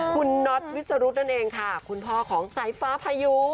คุณน็อตวิสรุธนั่นเองค่ะคุณพ่อของสายฟ้าพายุ